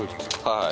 はい。